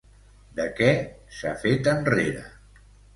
De què s'ha fet enrere?